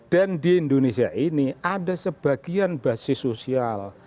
dan di indonesia ini ada sebagian basis sosial